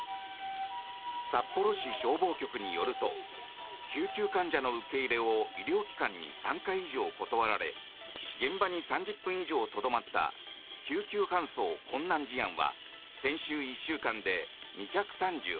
札幌市消防局によると救急患者の受け入れを医療機関に３回以上断られ現場に３０分以上とどまった救急搬送困難事案は先週１週間で２３８件。